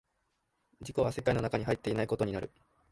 自己は世界の中に入っていないことになる。